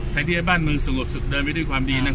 ใครที่ให้บ้านเป็นในสงบสุดดันไปด้วยความดีนะ